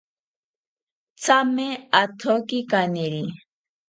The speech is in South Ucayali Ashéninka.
Thame athoki kaniri